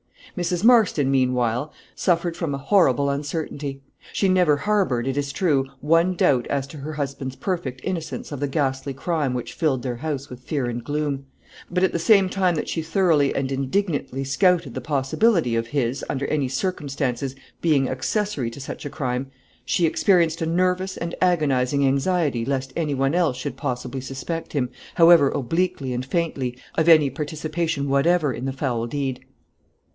Mrs. Marston, meanwhile, suffered from a horrible uncertainty. She never harbored, it is true, one doubt as to her husband's perfect innocence of the ghastly crime which filled their house with fear and gloom; but at the same time that she thoroughly and indignantly scouted the possibility of his, under any circumstances, being accessory to such a crime, she experienced a nervous and agonizing anxiety lest anyone else should possibly suspect him, however obliquely and faintly, of any participation whatever in the foul deed.